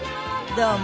どうも。